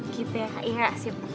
gitu ya kak iha sip